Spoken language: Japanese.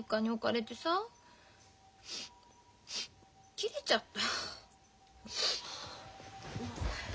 切れちゃった。